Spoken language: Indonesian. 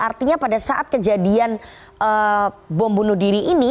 artinya pada saat kejadian bom bunuh diri ini